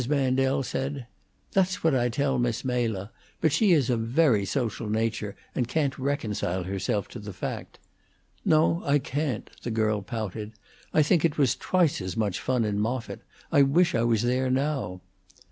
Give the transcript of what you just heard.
Mandel said: "That's what I tell Miss Mela. But she is a very social nature, and can't reconcile herself to the fact." "No, I can't," the girl pouted. "I think it was twice as much fun in Moffitt. I wish I was there now."